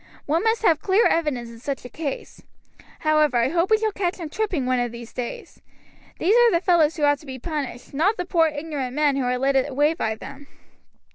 One must have clear evidence in such a case. However, I hope we shall catch him tripping one of these days. These are the fellows who ought to be punished, not the poor ignorant men who are led away by them."